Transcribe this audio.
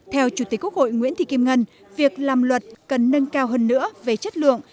theo chủ tịch quốc hội nguyễn thị kim ngân việc làm luật cần nâng cao hơn nữa về chất lượng